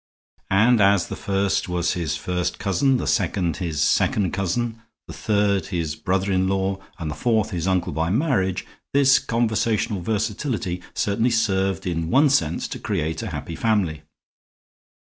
And as the first was his first cousin, the second his second cousin, the third his brother in law, and the fourth his uncle by marriage, this conversational versatility certainly served in one sense to create a happy family.